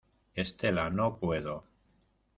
estela, no puedo.